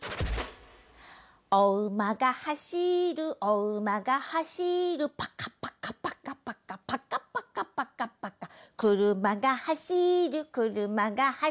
「おうまがはしるおうまがはしる」「パカパカパカパカパカパカパカパカ」「くるまがはしるくるまがはしる」